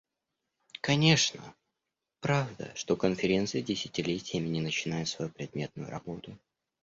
Конечно, правда, что Конференция десятилетиями не начинает свою предметную работу.